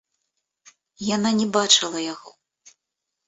Яна не бачыла яго.